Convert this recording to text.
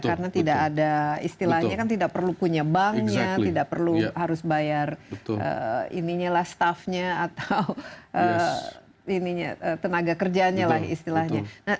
karena tidak ada istilahnya kan tidak perlu punya banknya tidak perlu harus bayar staffnya atau tenaga kerjanya lah istilahnya